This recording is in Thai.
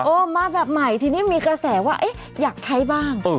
มาแบบใหม่ทีนี้มีกระแสว่าอยากใช้บ้าง